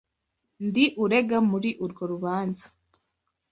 Ndi urega muri urwo rubanza.